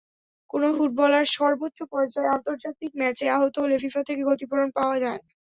কোনো ফুটবলার সর্বোচ্চ পর্যায়ের আন্তর্জাতিক ম্যাচে আহত হলে ফিফা থেকে ক্ষতিপূরণ পাওয়া যায়।